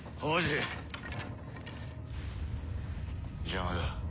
邪魔だ。